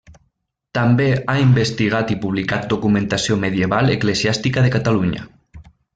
També ha investigat i publicat documentació medieval eclesiàstica de Catalunya.